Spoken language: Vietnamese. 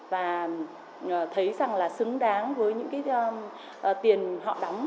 và thấy rằng là xứng đáng với những cái tiền họ đóng